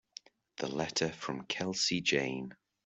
The letter from Kelsey Jane.